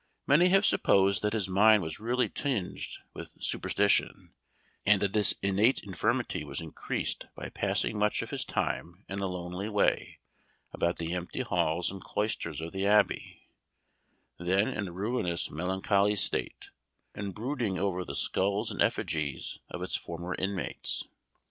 Many have supposed that his mind was really tinged with superstition, and that this innate infirmity was increased by passing much of his time in a lonely way, about the empty halls and cloisters of the Abbey, then in a ruinous melancholy state, and brooding over the skulls and effigies of its former inmates.